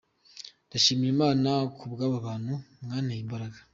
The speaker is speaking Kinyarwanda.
Ndashimira Imana kubw’abo bantu, mwanteye imbaraga.”